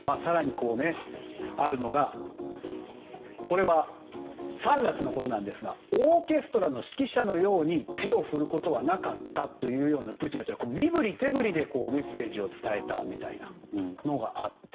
これは３月のことなんですがオーケストラの指揮者のように手を振ることはなかったというようなプーチン大統領が身振り手振りでメッセージを伝えたみたいなのがあって。